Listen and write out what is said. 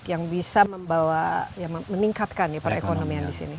yang bisa membawa meningkatkan perekonomian di sini